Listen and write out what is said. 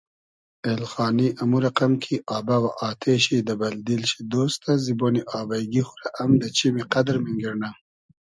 اېلخانی امو رئقئم کی آبۂ و آتې شی دۂ بئل دیل شی دۉستۂ زیبۉنی آبݷ گی خو رۂ ام دۂ چیمی قئدر مینگیرنۂ